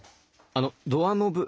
あのドアノブ。